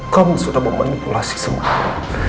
kamu sudah memanipulasi semua